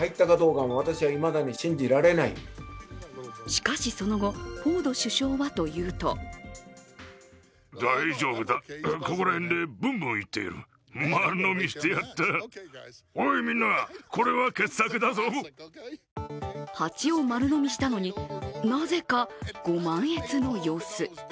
しかしその後、フォード首相はというと蜂を丸飲みしたのに、なぜかご満悦の様子。